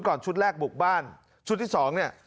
ก่อนชุดแรกบุกบ้านชุดที่๒เนี่ย